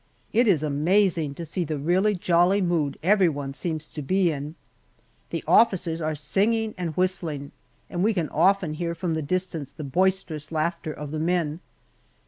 It is amazing to see the really jolly mood everyone seems to be in. The officers are singing and whistling, and we can often hear from the distance the boisterous laughter of the men.